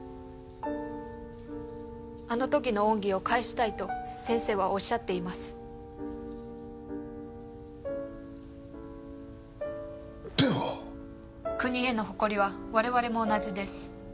「あの時の恩義を返したい」と先生はおっしゃっていますでは国への誇りは我々も同じです